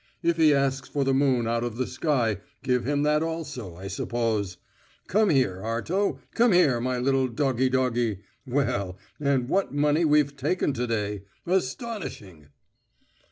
If he asks for the moon out of the sky, give him that also, I suppose. Come here, Arto, come here, my little doggie doggie. Well, and what money we've taken to day astonishing!"